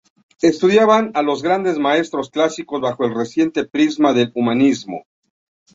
Estudiaban a los grandes maestros clásicos bajo el reciente prisma del humanismo.